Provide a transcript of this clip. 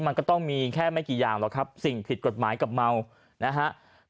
มันก็ต้องมีแค่ไม่กี่อย่างหรอกครับสิ่งผิดกฎหมายกับเมานะฮะ